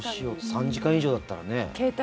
３時間以上だったらね。